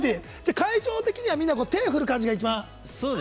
会場的には手を振る感じが一番。